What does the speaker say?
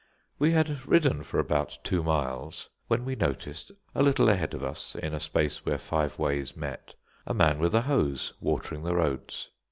We had ridden for about two miles, when we noticed, a little ahead of us in a space where five ways met, a man with a hose, watering the roads.